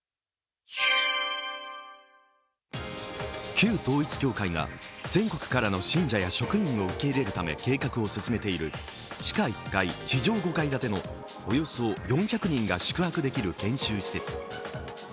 旧統一教会が全国からの信者や職員を受け入れるため計画を進めている地下１階、地上５階建てのおよそ４００人が宿泊できる研修施設。